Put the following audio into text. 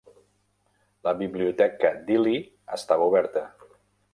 La biblioteca Dealey estava oberta.